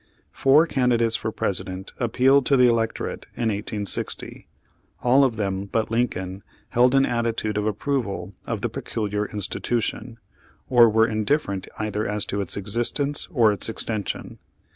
Four candidates for President appealed to the electorate in 1860. All of them but Lincoln held an attitude of approval of the peculiar institution, or were indifferent either as to its existence or its extension.